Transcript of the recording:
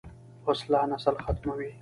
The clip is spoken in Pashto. وسله نسل ختموي